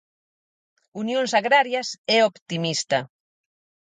Unións Agrarias é optimista.